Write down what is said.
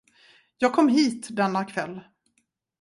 Jag kom hit denna kväll.